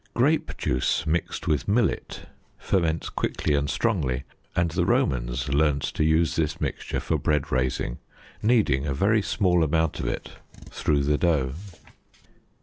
Grape juice mixed with millet ferments quickly and strongly, and the Romans learned to use this mixture for bread raising, kneading a very small amount of it through the dough.